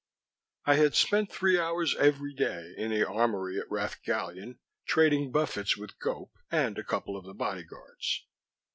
I had spent three hours every day in the armory at Rath Gallion, trading buffets with Gope and a couple of the bodyguards.